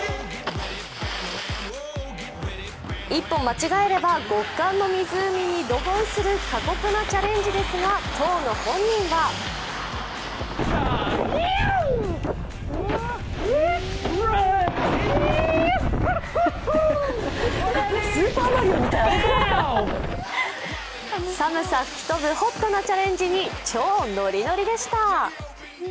一歩間違えれば極寒の湖にドボンする過酷なチャレンジですが当の本人は寒さ吹き飛ぶホットなチャレンジに超ノリノリでした。